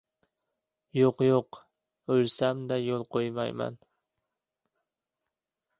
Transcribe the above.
Yo‘q-yo‘q, o‘lsam-da yo‘l qo‘ymayman...